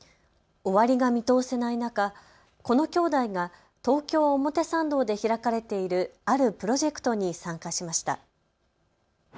終わりが見通せない中、このきょうだいが東京表参道で開かれているあるプロジェクトに参加しました。